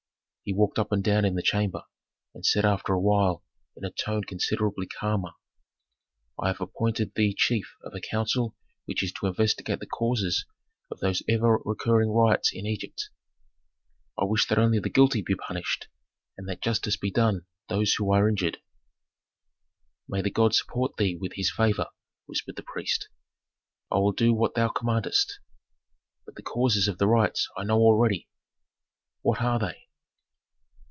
He walked up and down in the chamber, and said after a while in a tone considerably calmer, "I have appointed thee chief of a council which is to investigate the causes of those ever recurring riots in Egypt. I wish that only the guilty be punished, and that justice be done those who are injured." "May the god support thee with his favor," whispered the priest. "I will do what thou commandest. But the causes of the riots I know already." "What are they?"